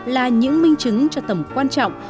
là những minh chứng cho tầm quan trọng